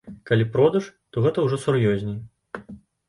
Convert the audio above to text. Калі продаж, то гэта ўжо сур'ёзней.